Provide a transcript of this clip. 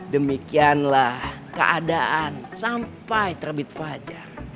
demikianlah keadaan sampai terbit fajar